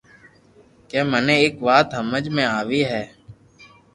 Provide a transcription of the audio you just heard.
ڪي مني ايڪ وات ھمج ۾ آوي ھي